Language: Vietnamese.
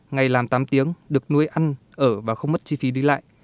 ngày làm tám tiếng được nuôi ăn ở và không mất chi phí đi lại